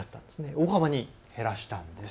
大幅に減らしたんです。